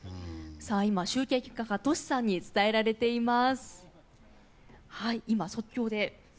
集計結果がＴｏｓｈｌさんに伝えられています。